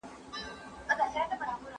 د انټرنیټ څخه مرسته د وخت د ضایع مخه نیسي.